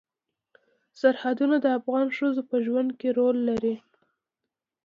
سرحدونه د افغان ښځو په ژوند کې رول لري.